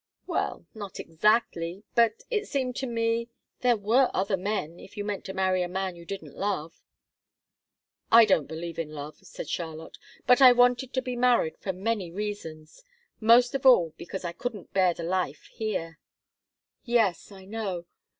"Well not exactly. But it seemed to me there were other men, if you meant to marry a man you didn't love." "I don't believe in love," said Charlotte. "But I wanted to be married for many reasons most of all, because I couldn't bear the life here." "Yes I know.